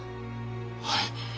はい。